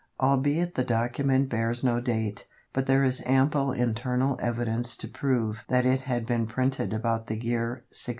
Albeit the document bears no date, but there is ample internal evidence to prove that it had been printed about the year 1660.